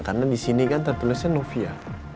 karena di sini kan tertulisnya nufia